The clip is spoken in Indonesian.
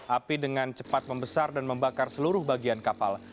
api dengan cepat membesar dan membakar seluruh bagian kapal